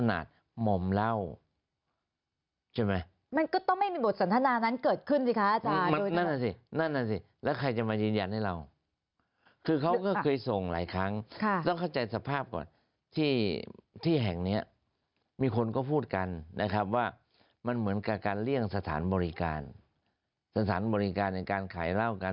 อาจารย์เวลาขออนุญาตแทรกอาจารย์ค่ะ